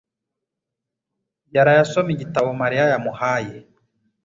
yaraye asoma igitabo Mariya yamuhaye